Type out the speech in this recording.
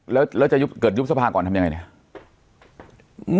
แล้วจะเกิดยุบสภาก่อนทำยังไงเนี่ย